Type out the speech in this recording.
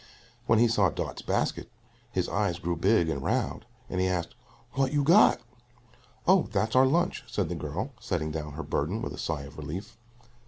When he saw Dot's basket his eyes grew big and round, and he asked, "What you got?" "Oh, that's our lunch," said the girl, setting down her burden with a sigh of relief.